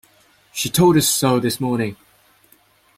She told us so this morning.